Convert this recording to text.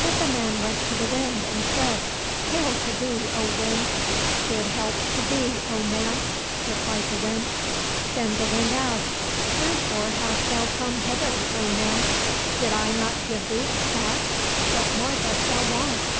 But the man went to the Wind and said, " Hail to thee, O Wind !"—* Good health to thee, O man !" replied the Wind. Then the Wind asked, '' Wherefore hast thou come hither, O man } Did I not give thee a sack ? What more dost thou want